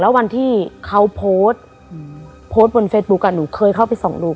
แล้ววันที่เขาโพสต์โพสต์บนเฟซบุ๊กหนูเคยเข้าไปส่องดู